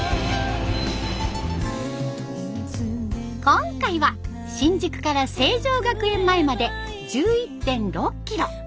今回は新宿から成城学園前まで１１．６キロ。